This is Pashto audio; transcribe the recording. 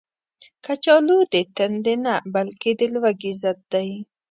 کچالو د تندې نه، بلکې د لوږې ضد دی